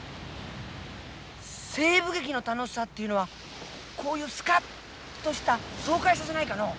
西部劇の楽しさっていうのはこういうスカッとした爽快さじゃないかのう。